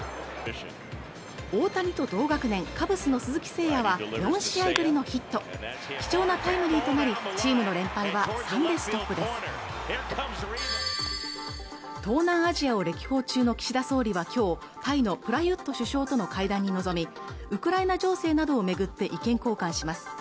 大谷と同学年カブスの鈴木誠也は４試合ぶりのヒットで貴重なタイムリーとなりチームの連敗は３でストップです東南アジアを歴訪中の岸田総理は今日タイのプラユット首相との会談に臨みウクライナ情勢などをめぐって意見交換します